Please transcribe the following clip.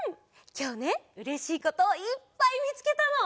きょうねうれしいこといっぱいみつけたの。